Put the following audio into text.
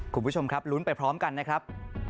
คุณผู้ชมครับลุ้นไปพร้อมกันนะครับ